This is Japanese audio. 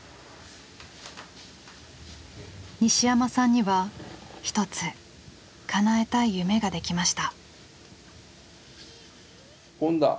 西山さんには一つかなえたい夢ができました。